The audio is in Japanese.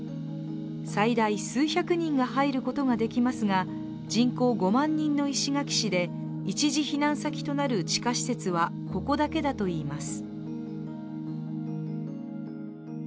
最大数百人が入ることができますが人口５万人の石垣市で一時避難先となる地下施設はここだけだといいます。